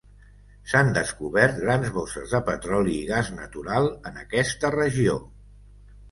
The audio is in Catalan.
S'han descobert grans bosses de petroli i gas natural en aquesta regió.